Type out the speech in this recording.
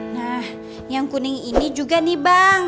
nah yang kuning ini juga nih bang